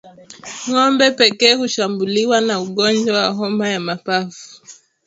Ngombe pekee hushambuliwa na ugonjwa wa homa ya mapafu